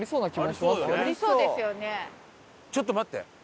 ちょっと待って！